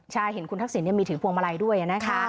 ใช่เห็นคุณทักษิณมีถือพวงมาลัยด้วยนะคะ